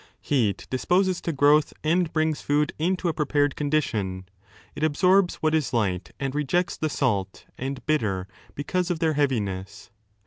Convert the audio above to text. Heat disposes to growth and brings food into a prepared conditioa ; it absorbs what is light and rejects the salt and bitter because of their heaviness.